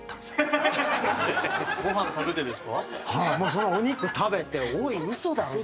そのお肉食べて「おいウソだろ」。